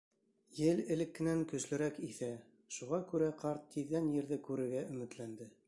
Ел элеккенән көслөрәк иҫә, шуға күрә ҡарт тиҙҙән ерҙе күрергә өмөтләнде.